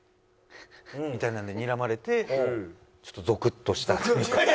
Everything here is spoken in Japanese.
みたいなのでにらまれてちょっとゾクッとしたというか。